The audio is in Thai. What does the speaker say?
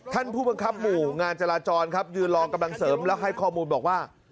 ผู้บังคับหมู่งานจราจรครับยืนรอกำลังเสริมแล้วให้ข้อมูลบอกว่า